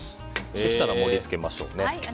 そうしたら、盛り付けましょうね。